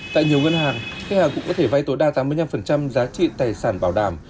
tại nhiều ngân hàng khách hàng cũng có thể vay tối đa tám mươi năm giá trị tài sản bảo đảm